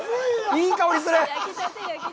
いい香りする。